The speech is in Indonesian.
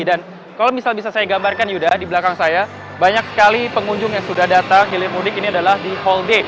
dan kalau misal bisa saya gambarkan yuda di belakang saya banyak sekali pengunjung yang sudah datang hilir mudik ini adalah di hal d